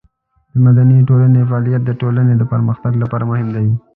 د مدني ټولنې فعالیتونه د ټولنې د پرمختګ لپاره مهم دي.